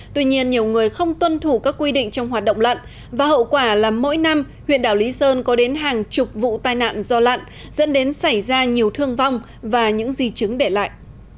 tuy nhiên nhiều người không tuân thủ các quy định trong hoạt động lặn và hậu quả là mỗi năm huyện đảo lý sơn có đến hàng chục vụ tai nạn do lặn dẫn đến xảy ra nhiều thương vong và những gì chứng để lại